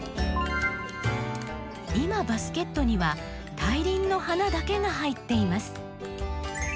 今バスケットには大輪の花だけが入っています。